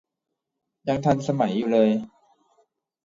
ยังทันสมัยอยู่เลย